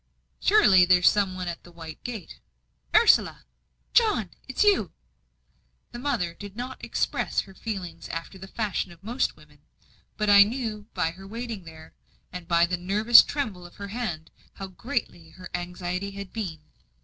"Surely there's some one at the white gate. Ursula!" "John! Ah it is you." The mother did not express her feelings after the fashion of most women; but I knew by her waiting there, and by the nervous tremble of her hand, how great her anxiety had been.